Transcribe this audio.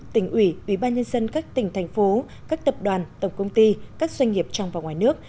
tỉnh ủy bí ba nhân dân các tỉnh thành phố các tập đoàn tổng công ty các doanh nghiệp trong và ngoài nước